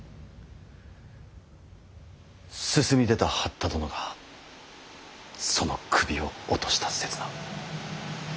進み出た八田殿がその首を落とした刹那。